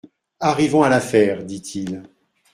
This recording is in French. Arrivons à l'affaire, dit-il.